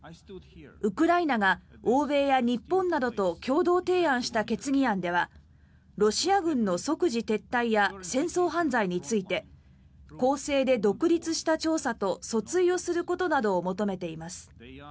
ウクライナが欧米や日本などと共同提案した決議案ではロシア軍の即時撤退や戦争犯罪について公正で独立した調査と訴追をすることなどを求めています。